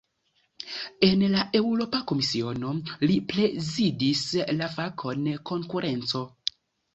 En la Eŭropa Komisiono, li prezidis la fakon "konkurenco".